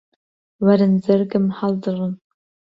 وەرن جەرگم هەڵدڕن